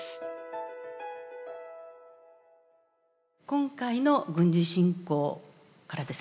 今回の軍事侵攻からですね見えます